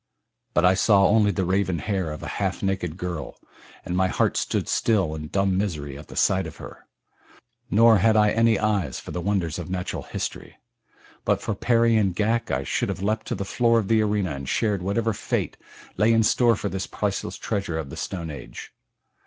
But I saw only the raven hair of a half naked girl, and my heart stood still in dumb misery at the sight of her, nor had I any eyes for the wonders of natural history. But for Perry and Ghak I should have leaped to the floor of the arena and shared whatever fate lay in store for this priceless treasure of the Stone Age.